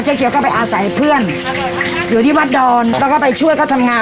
เขียวก็ไปอาศัยเพื่อนอยู่ที่วัดดอนแล้วก็ไปช่วยเขาทำงาน